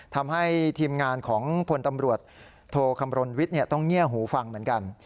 ทำให้ทีมงานของพลตำรวจโทคำรณวิทย์ต้องเงียบหูฟังเหมือนกัน